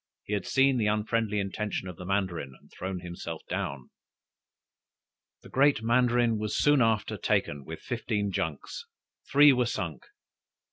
He had seen the unfriendly intention of the mandarin, and thrown himself down. The Great Mandarin was soon after taken with fifteen junks; three were sunk.